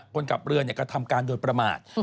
คนขับเรือกระทำการโดยประมาท